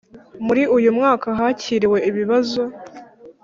Muri uyu mwaka hakiriwe ibibazo